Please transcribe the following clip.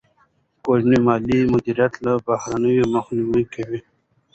کورنی مالي مدیریت له بحران مخنیوی کوي.